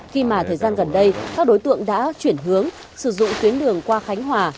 khi mà thời gian gần đây các đối tượng đã chuyển hướng sử dụng tuyến đường qua khánh hòa